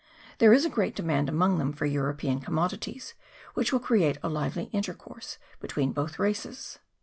There is a great demand among them for European commodities, which will create a lively intercourse between both races.